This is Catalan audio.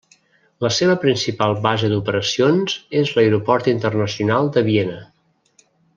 La seva principal base d'operacions és l'Aeroport Internacional de Viena.